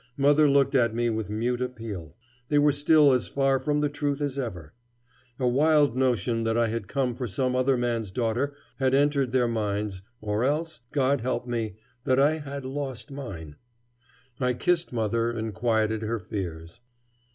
Mother looked at me with mute appeal. They were still as far from the truth as ever. A wild notion that I had come for some other man's daughter had entered their minds, or else, God help me, that I had lost mine. I kissed mother and quieted her fears.